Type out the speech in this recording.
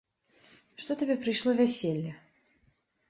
Што табе прыйшло вяселле?